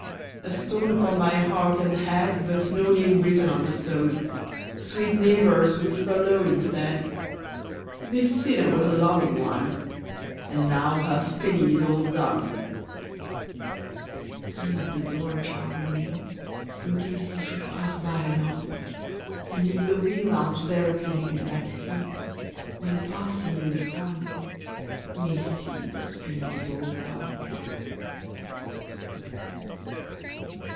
A stone upon my heart and head, But no name written on the stone! Sweet neighbours, whisper low instead, "This sinner was a loving one, And now her spinning is all done." And let the door ajar remain, In case he should pass by anon; And leave the wheel out very plain, That HE, when passing in the sun, May see the spinning is all done.